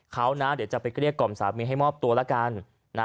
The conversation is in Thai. เขานะเดี๋ยวจะไปเกลี้ยกล่อมสามีให้มอบตัวแล้วกันนะ